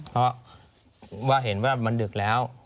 เพราะว่าเห็นว่ามันดึกแล้ว